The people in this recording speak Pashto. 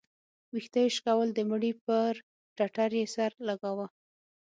ويښته يې شكول د مړي پر ټټر يې سر لګاوه.